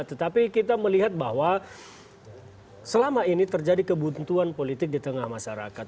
tetapi kita melihat bahwa selama ini terjadi kebuntuan politik di tengah masyarakat